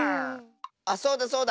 あっそうだそうだ。